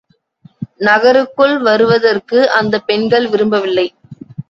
நகருக்குள் வருவதற்கு அந்தப் பெண்கள் விரும்பவில்லை.